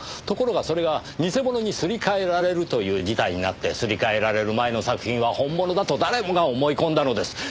ところがそれが偽物にすり替えられるという事態になってすり替えられる前の作品は本物だと誰もが思い込んだのです。